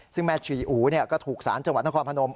ซึ่งแม่ชีอู๋ก็ถูกสารจังหวัดนครพนม